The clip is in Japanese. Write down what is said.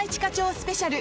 スペシャル。